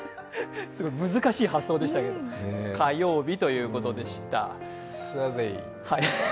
難しい発想でしたけど、火曜日ということでした。